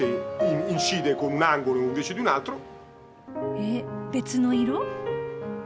え別の色？